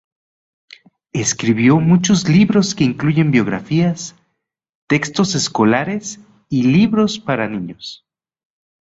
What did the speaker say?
Escribió muchos libros que incluyen biografías, textos escolares y libros para niños.